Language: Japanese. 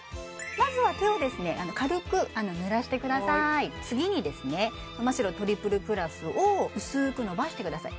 まずは手をですね軽く濡らしてください次にですねマ・シロトリプルプラスを薄くのばしてください